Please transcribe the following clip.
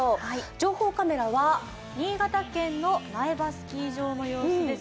情報カメラは新潟県の苗場スキー場の様子です。